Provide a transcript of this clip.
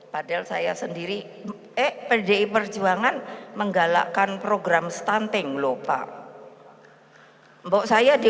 pdi perjuangan megawati